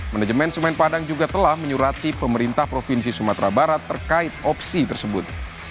manajemen semen padang juga telah menyurati pemerintah provinsi sumatera barat terkait opsi tersebut